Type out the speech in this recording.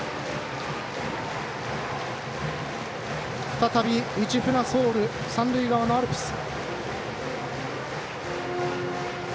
再び「市船ソウル」三塁側のアルプス。